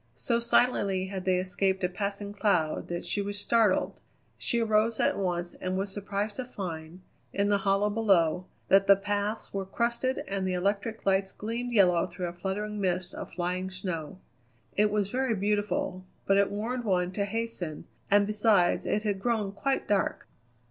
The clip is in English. So silently had they escaped a passing cloud that she was startled. She arose at once and was surprised to find, in the hollow below, that the paths were crusted and the electric lights gleamed yellow through a fluttering mist of flying snow. It was very beautiful, but it warned one to hasten, and besides it had grown quite dark.